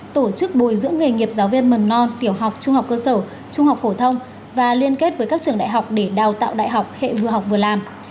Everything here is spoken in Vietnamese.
tổ chức bồi dưỡng nghề nghiệp giáo viên mầm non tiểu học trung học cơ sở trung học phổ thông và liên kết với các trường đại học để đào tạo đại học hệ vừa học vừa làm